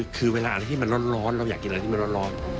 คือเวลาอะไรที่มันร้อนเราอยากกินอะไรที่มันร้อน